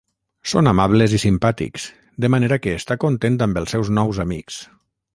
Són amables i simpàtics, de manera que està content amb els seus nous amics.